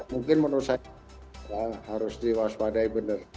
mungkin menurut saya harus diwaspadai benar